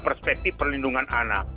perspektif perlindungan anak